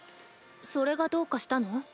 それがどうかしたの？